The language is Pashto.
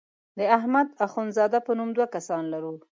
د احمد اخوند زاده په نوم دوه کسان لرو.